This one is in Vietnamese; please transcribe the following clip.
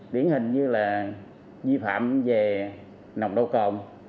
điển hình như là vi phạm về nồng độ côn